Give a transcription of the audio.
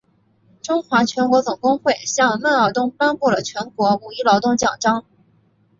中华全国总工会向孟二冬颁发了全国五一劳动奖章。